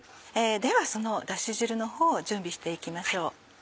ではそのダシ汁のほうを準備して行きましょう。